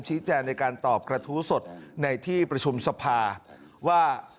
แจงในการตอบกระทู้สดในที่ประชุมสภาว่า